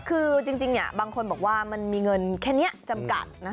คือจริงบางคนบอกว่ามันมีเงินแค่นี้จำกัด